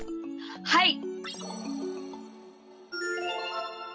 はい！